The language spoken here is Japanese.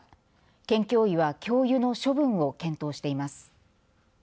県教諭は教諭の処分を検討しています。